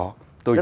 rất có thể